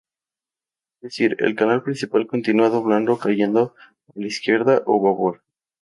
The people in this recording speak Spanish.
Es decir el canal principal continúa doblando o cayendo a la izquierda ó babor.